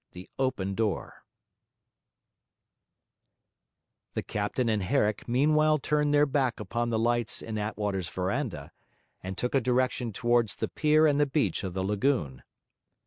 THE OPEN DOOR The captain and Herrick meanwhile turned their back upon the lights in Attwater's verandah, and took a direction towards the pier and the beach of the lagoon.